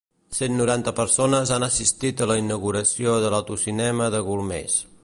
Cent noranta persones han assistit a la inauguració de l'Autocinema de Golmés.